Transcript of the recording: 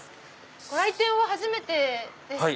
ご来店は初めてですか？